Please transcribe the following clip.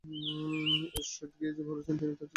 Straight gaze বলছেন, তিনি তার ছেলেকে খুঁজতে যাবেন।